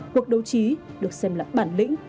cuộc đấu trí được xem là bản lĩnh